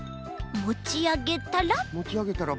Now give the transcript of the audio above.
もちあげたらば？